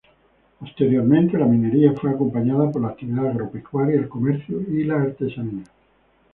Posteriormente, la minería fue acompañada por la actividad agropecuaria, el comercio y la artesanía.